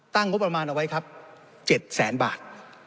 งบประมาณเอาไว้ครับ๗แสนบาท